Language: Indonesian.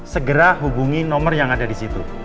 segera hubungi nomor yang ada disitu